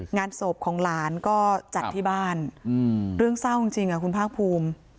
งานศพของหลานก็จัดที่บ้านเรื่องเศร้าจริงคุณภาคภูมิ